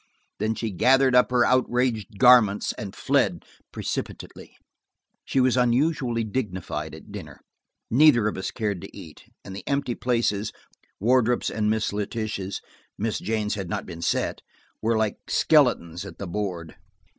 Then she gathered up her outraged garments and fled precipitately. She was unusually dignified at dinner. Neither of us cared to eat, and the empty places–Wardrop's and Miss Letitia's–Miss Jane's had not been set–were like skeletons at the board.